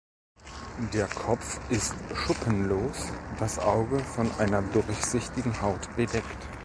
Der Kopf ist schuppenlos, das Auge von einer durchsichtigen Haut bedeckt.